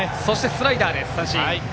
スライダーで三振。